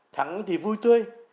thắng thì vui tươi